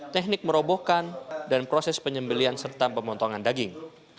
teknik merobohkan dan proses penyembelian serta pemotongan daging